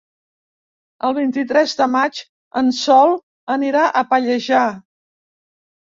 El vint-i-tres de maig en Sol anirà a Pallejà.